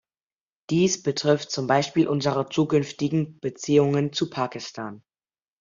Dies betrifft zum Beispiel unsere zukünftigen Beziehungen zu Pakistan.